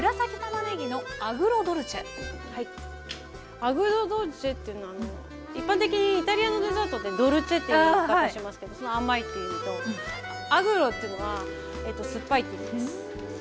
アグロドルチェっていうのは一般的にイタリアのデザートって「ドルチェ」って言い方しますけどその「甘い」っていう意味と「アグロ」っていうのは「酸っぱい」っていう意味です。